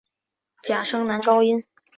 假声男高音。